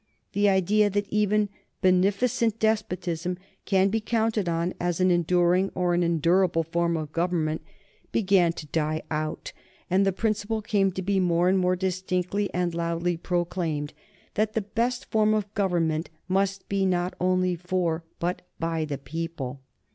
The idea that even beneficent despotism can be counted on as an enduring or an endurable form of government began to die out, and the principle came to be more and more distinctly and loudly proclaimed that the best form of government must be not only for, but by, the people.